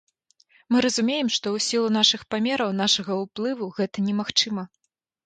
Мы разумеем, што ў сілу нашых памераў, нашага ўплыву, гэта немагчыма.